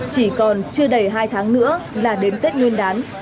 chỉ còn chưa đầy hai tháng nữa là đến tết nguyên đán